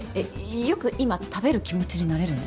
よく今食べる気持ちになれるね。